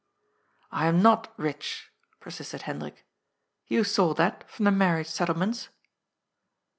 " I am not rich," persisted Hendrik. " You saw that from the marriage settlements."